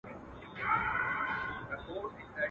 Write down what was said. مار دي په لستوڼي کي آدم ته ور وستلی دی .